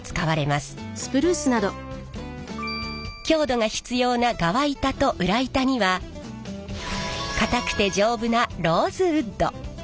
強度が必要な側板と裏板には堅くて丈夫なローズウッド。